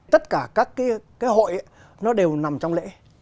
tất cả các cái hội nó đều nằm trong lễ